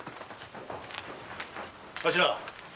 頭！